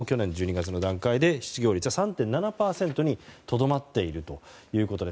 去年１２月の段階で失業率は３．７％にとどまっているということです。